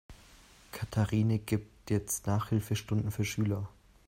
Katharina gibt jetzt Nachhilfestunden für Schüler.